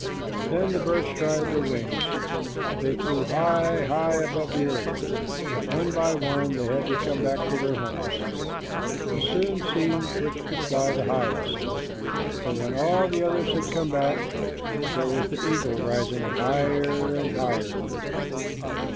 Then the birds tried their wings. They flew high, high up above the earth, but one by one they had to come back to their homes. It was soon seen which could fly highest, for when all the others had come back, there was the eagle rising higher and higher.